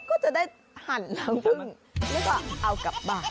ก็จะได้หั่นแล้วพึ่งแล้วก็เอากลับบ้าน